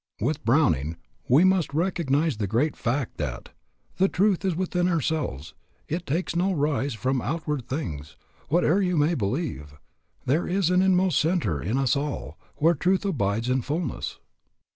With Browning, we must recognize the great fact that "Truth is within ourselves; it takes no rise From outward things, whate'er you may believe. There is an inmost centre in us all, Where truth abides in fullness."